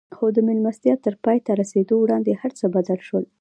خو د مېلمستيا تر پای ته رسېدو وړاندې هر څه بدل شول.